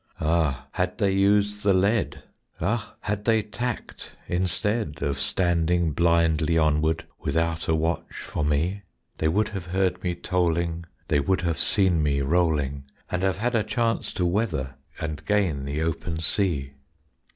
Ah, had they used the lead! Ah, had they tacked instead Of standing blindly onward Without a watch for me! They would have heard me tolling; They would have seen me rolling; And have had a chance to weather And gain the open sea.